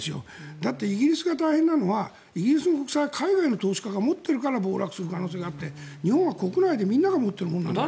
だってイギリスが大変なのはイギリスの国債は海外の投資家が持ってるから暴落する可能性があるわけで日本は国内でみんなが持っているものだから。